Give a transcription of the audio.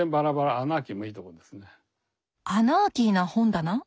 アナーキーな本棚⁉